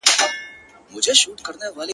• د يو ښايستې سپيني كوتري په څېر.